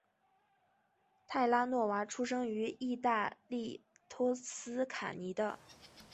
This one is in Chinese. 泰拉诺娃出生于义大利托斯卡尼的。